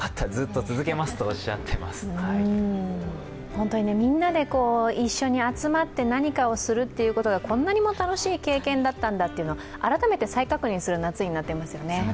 本当にみんなで一緒に集まって何かをするっていうことが、こんなにも楽しい経験だったんだというのを、改めて再確認する夏になっていますよね。